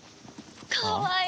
かわいい！